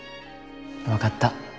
分かった。